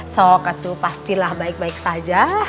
sok itu pastilah baik baik saja